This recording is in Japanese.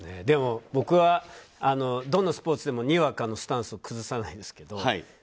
でも僕はどのスポーツでもにわかのスタンスを崩さないんですけど。